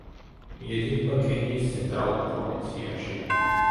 მიედინება კენიის ცენტრალურ პროვინციაში.